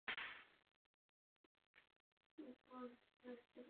Následovalo tentokráte již katastrofální vystoupení v Zimní válce.